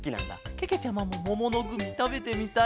けけちゃまももものグミたべてみたいケロ。